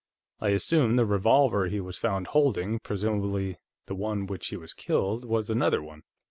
I assume the revolver he was found holding, presumably the one with which he was killed, was another one.